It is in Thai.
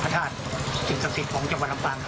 พระทาชสินตักษิตฯของจังหวัดลำบางครับ